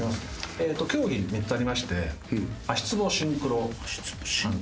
えっと競技３つありまして足ツボシンクロパン食い競争。